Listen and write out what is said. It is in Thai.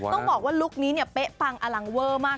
ต้องบอกว่าลุคนี้เนี่ยเป๊ะปังอลังเวอร์มาก